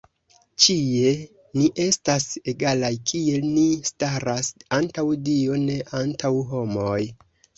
Ĉie ni estas egalaj, kie ni staras antaŭ Dio, ne antaŭ homoj.